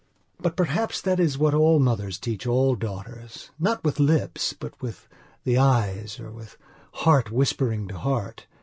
but perhaps that is what all mothers teach all daughters, not with lips but with the eyes, or with heart whispering to heart.